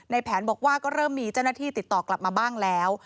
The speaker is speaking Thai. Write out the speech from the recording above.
แผนบอกว่าก็เริ่มมีเจ้าหน้าที่ติดต่อกลับมาบ้างแล้ว